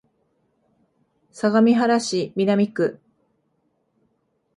相模原市南区